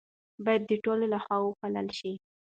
باید د ټولو لخوا وپالل شي.